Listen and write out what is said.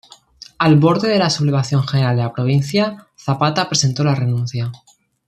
Al borde de la sublevación general de la provincia, Zapata presentó la renuncia.